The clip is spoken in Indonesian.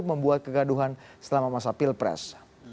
membuat kegaduhan selama masa pilpres